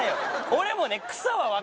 俺もね。